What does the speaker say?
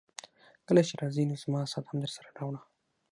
کله چي راځې نو زما ساعت هم درسره راوړه.